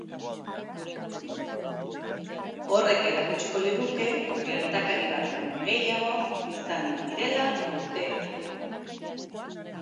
Horrek erakutsiko liguke gertakari bat baino gehiago izan direla urteetan.